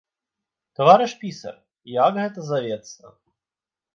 Таварыш пісар, як гэта завецца?